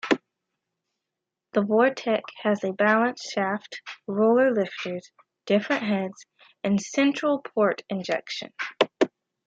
The Vortec has a balance shaft, roller lifters, different heads, and Central Port Injection.